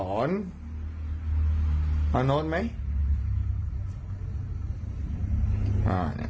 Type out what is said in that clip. เพราะมันมีหนูอยู่ข้างใน